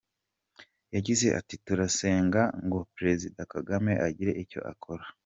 Yagize ati “Turasenga ngo Perezida Kagame agire icyo akora.